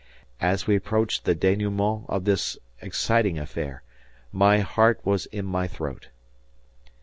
As we approached the denouement of this exciting affair, my heart was in my throat.